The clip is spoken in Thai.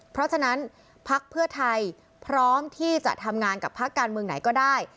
เพราะฉะนั้นพักเพื่อไทยพร้อมที่จะทำงานกับพักการเมืองไหนก็ได้